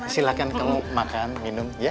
silahkan kamu makan minum ya